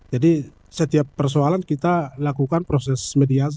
jadi setiap persoalan kita lakukan proses mediasi